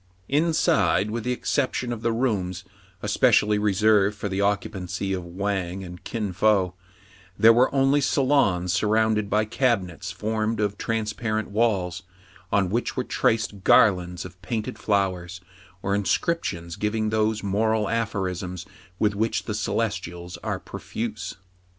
Inside, with the exception of the rooms espe cially reserved for the occupancy of Wang and Kin Fo, there were only salons surrounded by cabi nets formed of transparent walls, on which were traced garlands of painted flowers, or inscriptions giving those moral aphorisms with which the Celestials are profuse.